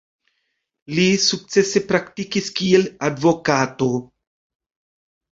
Li sukcese praktikis kiel advokato.